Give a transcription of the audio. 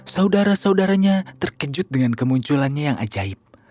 saudara saudaranya terkejut dengan kemunculannya yang ajaib